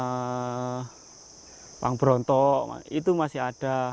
elang berontok itu masih ada